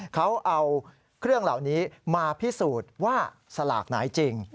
เขาเอาเครื่องเหล่านี้มาพิสูจน์ว่าสลากไหนจริง